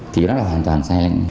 thì nó là hoàn toàn sai lầm